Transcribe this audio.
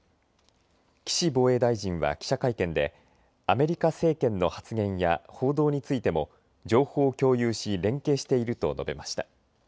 岸防衛大臣は記者会見でアメリカ政権の発言や報道についても情報を共有し連携していると述べました。